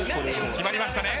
決まりましたね。